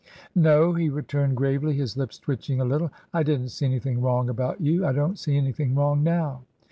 " No," he returned gravely, his lips twitching a little. " I did n't see anything wrong about you. I don't see anything wrong now."